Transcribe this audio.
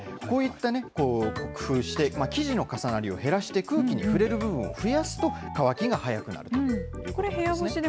こういった工夫をして、生地の重なりを減らして、空気に触れる部分を増やすと乾きが早くなるということですね。